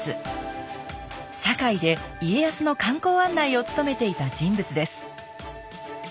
堺で家康の観光案内を務めていた人物です。